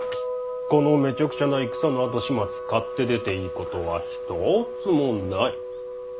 このめちゃくちゃな戦の後始末買って出ていいことは一つもない。